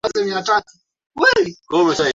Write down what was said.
ilibainika kuwa hakuna boti za kutosha kwa wote